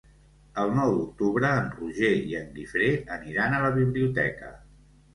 El nou d'octubre en Roger i en Guifré aniran a la biblioteca.